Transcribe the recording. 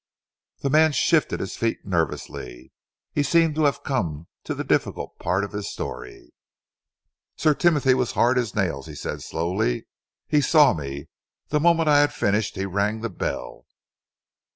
The man shifted his feet nervously. He seemed to have come to the difficult part of his story. "Sir Timothy was as hard as nails," he said slowly. "He saw me. The moment I had finished, he rang the bell.